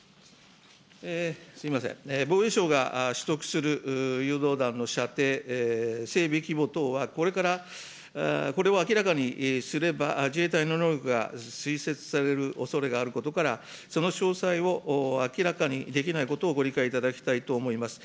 すみません、防衛省が取得する誘導弾の射程、整備規模等は、これから、これを明らかにすれば、自衛隊の能力が推察される恐れがあることから、その詳細を明らかにできないことをご理解いただきたいと思います。